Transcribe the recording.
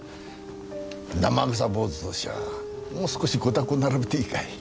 生臭坊主としちゃあもう少し御託を並べていいかい？